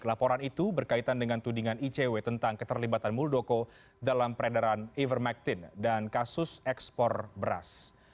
laporan itu berkaitan dengan tudingan icw tentang keterlibatan muldoko dalam peredaran ivermectin dan kasus ekspor beras